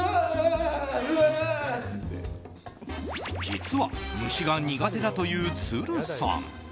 実は虫が苦手だという都留さん。